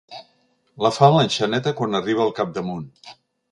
La fa l'anxeneta quan arriba al capdamunt.